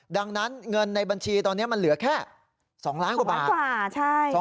ดังนั้นเงินในบัญชีตอนนี้มันเหลือแค่๒ล้านกว่าบาท